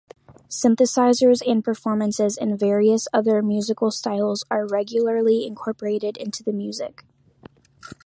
Synthesizers and performances in various other musical styles are regularly incorporated into the music.